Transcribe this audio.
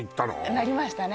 なりましたね